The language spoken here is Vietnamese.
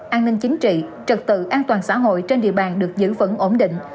an ninh chính trị trực tự an toàn xã hội trên địa bàn được giữ vẫn ổn định